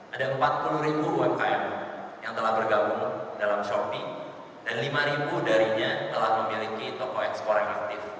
ada empat puluh ribu umkm yang telah bergabung dalam shorma dan lima darinya telah memiliki toko ekspor yang aktif